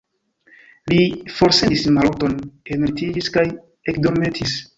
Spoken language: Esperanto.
Li forsendis Maluton, enlitiĝis kaj ekdormetis.